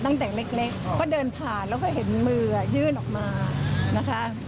ตั้งแต่เล็กก็เดินผ่านแล้วก็เห็นมือยื่นออกมานะคะ